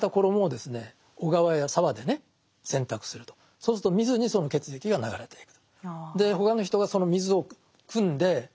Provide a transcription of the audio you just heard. そうすると水にその血液が流れていく。